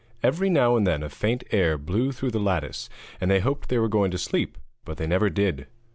Every now and then a faint air blew through the lattice, and they hoped they were going to sleep, but they never did.